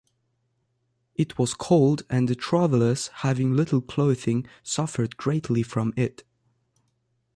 It was cold and the travelers, having little clothing, suffered greatly from it.